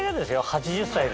８０歳で。